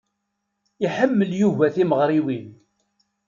Iḥemmel Yuba timeɣṛiwin.